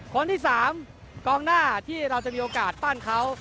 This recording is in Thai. คนที่๓กองหน้าที่เราจะมีโอกาสปั้นเขา